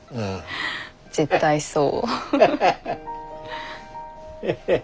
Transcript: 絶対そう。